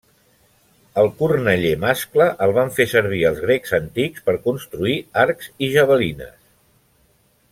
El corneller mascle el van fer servir els grecs antics per construir arcs i javelines.